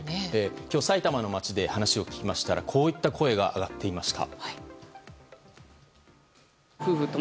今日、埼玉の街で話を聞いたらこういった声が上がっていました。